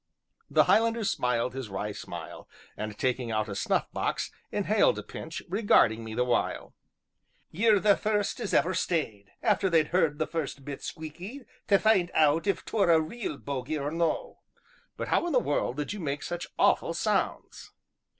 The Highlander smiled his wry smile, and taking out a snuff box, inhaled a pinch, regarding me the while. "Ye're the first as ever stayed after they'd heard the first bit squeakie, tae find out if 't were a real bogle or no." "But how in the world did you make such awful sounds?"